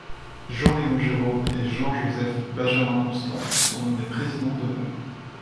Jean-Léon Gérôme et Jean-Joseph Benjamin-Constant sont nommés présidents d'honneur.